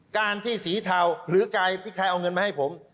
การที่สีเทาหรือกายที่ใครเอาเงินมาให้ผม